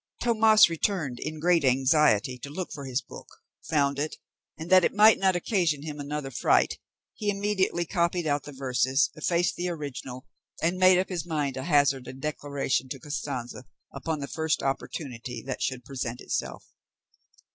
Tomas returned in great anxiety to look for his book, found it, and that it might not occasion him another fright, he immediately copied out the verses, effaced the original, and made up his mind to hazard a declaration to Costanza upon the first opportunity that should present itself.